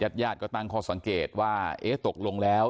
ญาติญาติก็ตั้งข้อสังเกตว่าเอ๊ะตกลงแล้ว